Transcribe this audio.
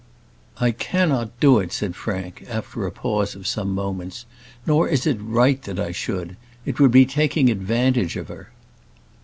"I cannot do it," said Frank, after a pause of some moments; "nor is it right that I should. It would be taking advantage of her."